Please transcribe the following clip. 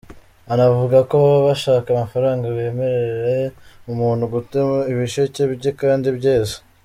Anavuga ko baba bashaka amafaranga bemerere umuntu gutema ibisheke bye kandi byeze.